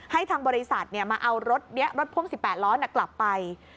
ให้ทางบริษัทมาเอารถนี้รถพ่วง๑๘ล้อกลับไป